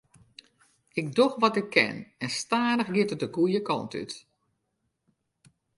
Ik doch wat ik kin en stadich giet it de goede kant út.